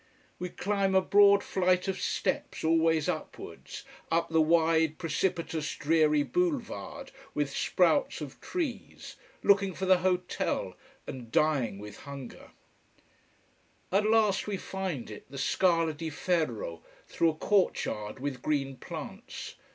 We climb a broad flight of steps, always upwards, up the wide, precipitous, dreary boulevard with sprouts of trees. Looking for the Hotel, and dying with hunger. At last we find it, the Scala di Ferro: through a courtyard with green plants.